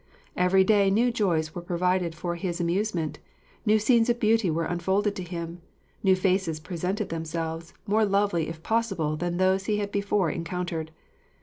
Each day new joys were provided for his amusement, new scenes of beauty were unfolded to him, new faces presented themselves, more lovely if possible than those he had before encountered.